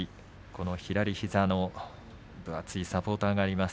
左膝の分厚いサポーターがあります。